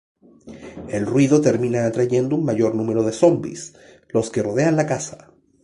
El ruido termina atrayendo un mayor número de zombis, los que rodean la casa.